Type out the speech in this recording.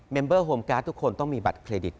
เบอร์โฮมการ์ดทุกคนต้องมีบัตรเครดิต